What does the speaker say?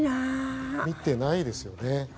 見てないですよね。